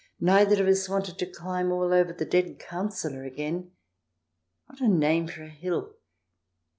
Neither of us wanted to climb all over the Dead Councillor again. What a name for a hill